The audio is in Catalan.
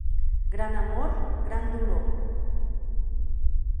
Gran amor, gran dolor.